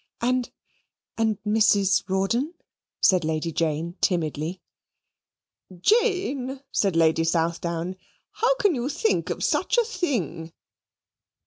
"And and Mrs. Rawdon," said Lady Jane timidly. "Jane!" said Lady Southdown, "how can you think of such a thing?"